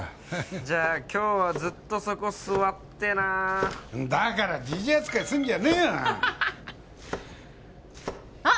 じゃあ今日はずっとそこ座ってなだからじじい扱いすんじゃねえよあっ